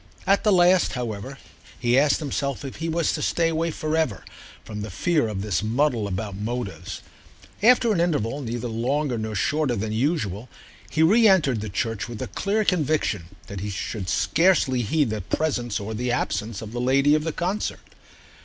At the last, however, he asked himself if he was to stay away for ever from the fear of this muddle about motives. After an interval neither longer nor shorter than usual he re entered the church with a clear conviction that he should scarcely heed the presence or the absence of the lady of the concert.